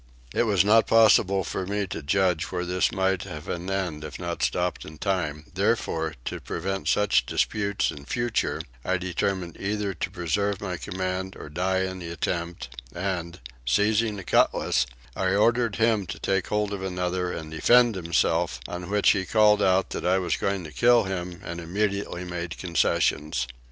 It was not possible for me to judge where this might have an end if not stopped in time, therefore to prevent such disputes in future I determined either to preserve my command or die in the attempt and, seizing a cutlass, I ordered him to take hold of another and defend himself, on which he called out that I was going to kill him and immediately made concessions.